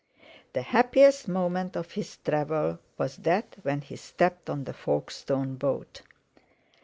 The happiest moment of his travel was that when he stepped on to the Folkestone boat.